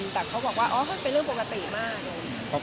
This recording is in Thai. แต่เขาบอกว่าอ๋อเป็นเรื่องปกติมากเลย